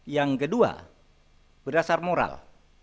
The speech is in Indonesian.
yang kedua berdasar moral